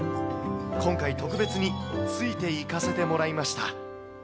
今回特別についていかせてもらいました。